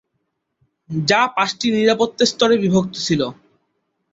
যা পাঁচটি নিরাপত্তা স্তরে বিভক্ত ছিল।